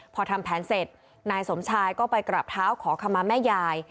พอทำแผนเสร็จนายสมชายก็ไปกราบเท้าขอคำมาแม่ยาย